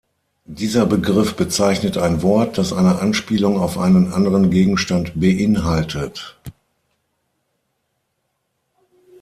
Dieser Begriff bezeichnet ein Wort, das eine Anspielung auf einen anderen Gegenstand beinhaltet.